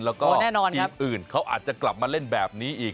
แล้วก็แน่นอนทีมอื่นเขาอาจจะกลับมาเล่นแบบนี้อีก